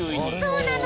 そうなの。